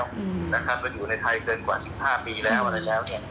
ว่าอยู่ในไทยเกินกว่า๑๕ปีแล้ว